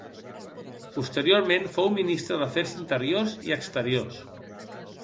Posteriorment fou Ministre d'Afers Interiors i Exteriors.